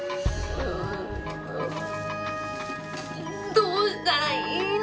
どうしたらいいの。